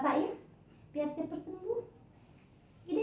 hai bapak belum bangun cima